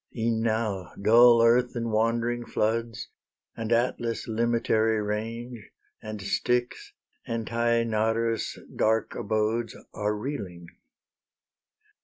E'en now dull earth and wandering floods, And Atlas' limitary range, And Styx, and Taenarus' dark abodes Are reeling.